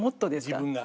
自分が。